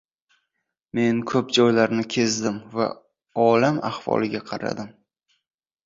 Men ko‘p joylarni kezdim va olam ahvoliga qaradim.